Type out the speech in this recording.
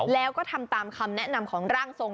แล้วก็ทำตามคำแนะนำของร่างทรง